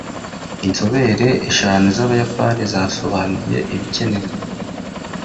Inzobere eshanu z’Abayapani zasobanuye ibikenewe